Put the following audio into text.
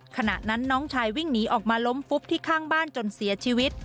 ขณะนั้นน้องชายวิ่งหนีออกมาล้มฟุบที่ข้างบ้านจนเสียชีวิต